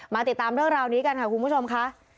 ติดตามเรื่องราวนี้กันค่ะคุณผู้ชมค่ะ